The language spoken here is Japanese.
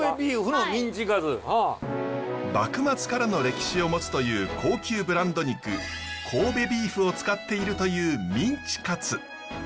幕末からの歴史を持つという高級ブランド肉神戸ビーフを使っているというミンチカツ。